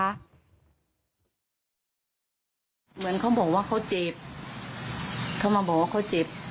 เหมือนเขาบอกว่าเขาเจ็บเขามาบอกว่าเขาเจ็บ